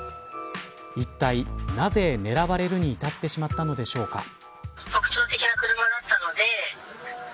いったい、なぜ狙われるに至ってしまったんでしょうか。